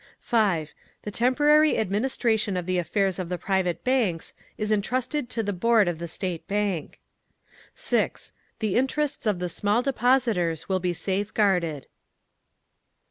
5. The temporary administration of the affairs of the private banks is entrusted to the board of the State Bank. 6. The interests of the small depositors will be safeguarded.